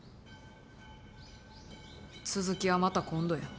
続きはまた今度や。